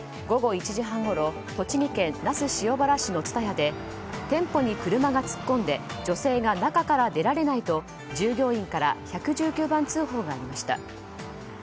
午後１時半ごろ栃木県那須塩原市のＴＳＵＴＡＹＡで店舗に車が突っ込んで女性が中から出られないと従業員から１１９番通報がありました。